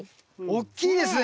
大きいですね